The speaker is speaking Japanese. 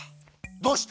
どうして？